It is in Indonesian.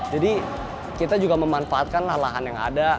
jadi kita juga memanfaatkan lahan lahan yang ada